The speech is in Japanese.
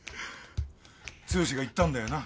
剛が言ったんだよな。